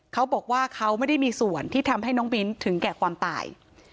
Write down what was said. เขาบอกว่าเขาไม่ได้มีส่วนที่ทำให้น้องมิ้นถึงแก่ความตาย